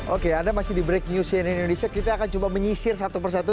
oke anda masih di breaking news cnn indonesia kita akan coba menyisir satu persatu